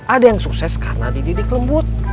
ada yang sukses karena dididik lembut